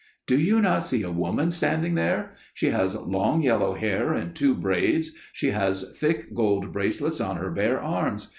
"'Do you not see a woman standing there? She has long yellow hair in two braids; she has thick gold bracelets on her bare arms.